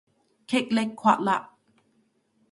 虢礫緙嘞